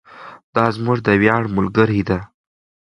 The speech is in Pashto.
دا زموږ د ویاړ ملګرې ده.